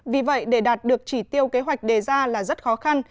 vì vậy để đạt được chỉ tiêu kế hoạch đề ra là rất khó khăn